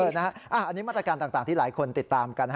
อันนี้มาตรการต่างที่หลายคนติดตามกัน